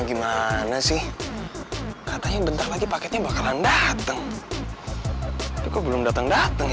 gimana sih katanya bentar lagi paketnya bakalan dateng belum datang dateng ya